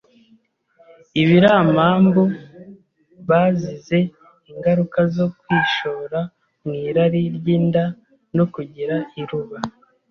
Ibiri amambu bazize ingaruka zo kwishora mu irari ry’inda no kugira iruba.